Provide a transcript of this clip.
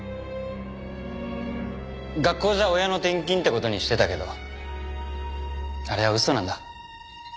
学校じゃ親の転勤って事にしてたけどあれは嘘なんだ。